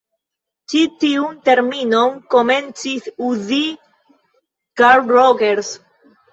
Ĉi tiun terminon komencis uzi Carl Rogers.